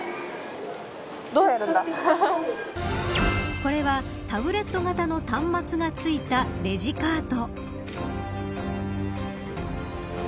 これはタブレット型の端末が付いたレジカート。